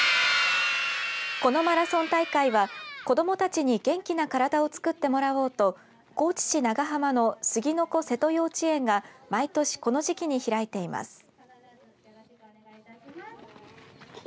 このマラソン大会は子どもたちに元気な体を作ってもらおうと高知市長浜の杉の子せと幼稚園が毎年この時期に開いています。